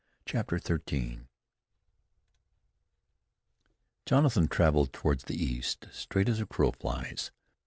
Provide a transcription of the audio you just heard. CHAPTER XIII Jonathan traveled toward the east straight as a crow flies.